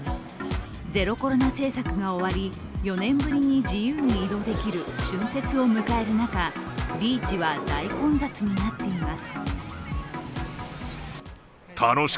ゼロコロナ政策が終わり、４年ぶりに自由に移動できる春節を迎える中、ビーチは大混雑になっています。